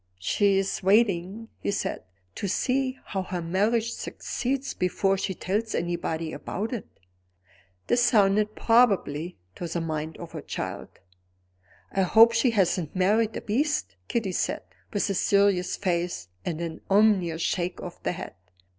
"She's waiting," he said, "to see how her marriage succeeds, before she tells anybody about it." This sounded probable to the mind of a child. "I hope she hasn't married a beast," Kitty said, with a serious face and an ominous shake of the head.